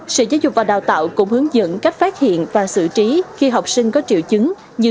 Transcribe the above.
sở giáo dục và đào tạo cũng hướng dẫn cách phát hiện và xử trí khi học sinh có triệu chứng như